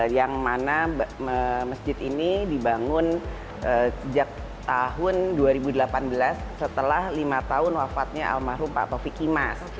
yang mana masjid ini dibangun sejak tahun dua ribu delapan belas setelah lima tahun wafatnya almarhum pak taufik imas